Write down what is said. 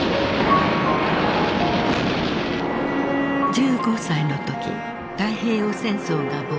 １５歳の時太平洋戦争が勃発。